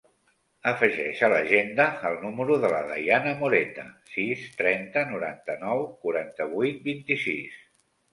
Afegeix a l'agenda el número de la Dayana Moreta: sis, trenta, noranta-nou, quaranta-vuit, vint-i-sis.